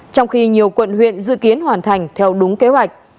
trong khi nhiều quận huyện dự kiến hoàn thành theo đúng kế hoạch